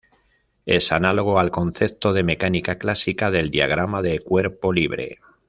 Es análogo al concepto de mecánica clásica del diagrama de cuerpo libre.